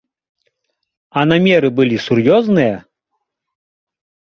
А намеры былі сур'ёзныя?